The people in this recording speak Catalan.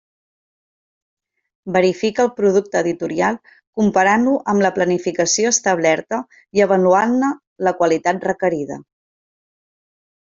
Verifica el producte editorial comparant-lo amb la planificació establerta i avaluant-ne la qualitat requerida.